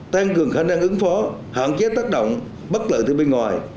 tăng cường khả năng ứng phó hạn chế tác động bất lợi từ bên ngoài